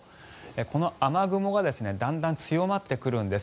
この雨雲がだんだん強まってくるんです。